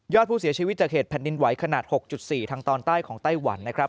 ผู้เสียชีวิตจากเหตุแผ่นดินไหวขนาด๖๔ทางตอนใต้ของไต้หวันนะครับ